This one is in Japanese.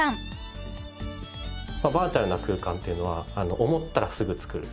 バーチャルな空間っていうのは思ったらすぐ作る。